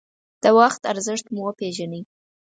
د وخت ارزښت مو وپېژنئ.